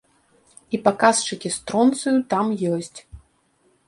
І паказчыкі стронцыю там ёсць.